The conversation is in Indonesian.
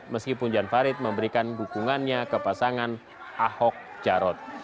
meskipun jan farid memberikan dukungannya ke pasangan ahok jarot